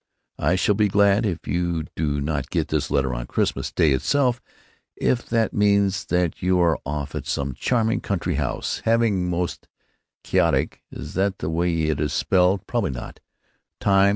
I shall be glad if you do not get this letter on Xmas day itself if that means that you are off at some charming country house having a most katische (is that the way it is spelled, probably not) time.